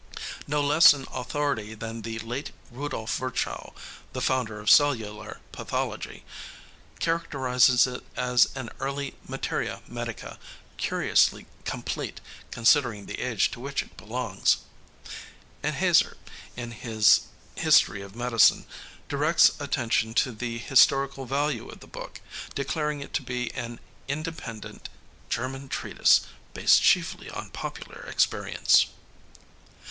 No less an authority than the late Rudolph Virchow, the founder of cellular pathology, characterizes it as an early materia medica, curiously complete, considering the age to which it belongs. And Hæser, in his history of medicine, directs attention to the historical value of the book, declaring it to be "an independent German treatise, based chiefly on popular experience."